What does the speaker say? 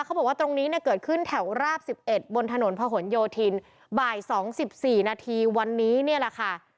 เขาบอกว่าตรงนี้เนี่ยเกิดขึ้นแถวราบ๑๑บนถนนพะหนโยธินบ่าย๒๔นาทีวันนี้เนี่ยแหละค่ะ